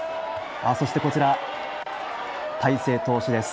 そしてこちら、大勢投手です。